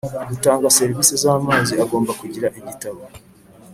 Utanga serivisi z amazi agomba kugira igitabo